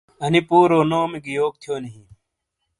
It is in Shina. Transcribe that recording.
انی پورو نومی گی یوک تھیونی ہیں؟